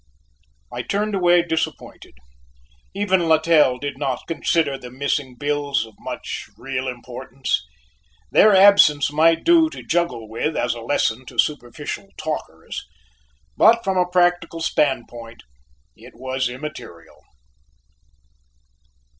I turned away disappointed: even Littell did not consider the missing bills of much real importance. Their absence might do to juggle with as a lesson to superficial talkers, but from a practical standpoint, it was immaterial.